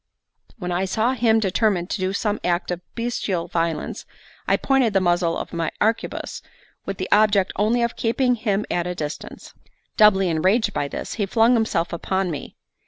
When I saw him determined to do some act of bestial violence, I pointed the muzzle of my arquebuse, with the object only of keeping him at a distance. Doubly enraged by this, he flung himself upon me.